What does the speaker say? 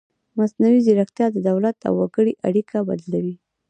مصنوعي ځیرکتیا د دولت او وګړي اړیکه بدلوي.